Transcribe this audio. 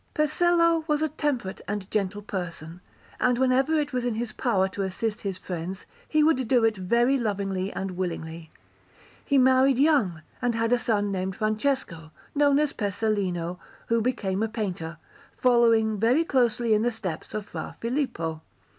Pesello was a temperate and gentle person; and whenever it was in his power to assist his friends, he would do it very lovingly and willingly. He married young, and had a son named Francesco, known as Pesellino, who became a painter, following very closely in the steps of Fra Filippo.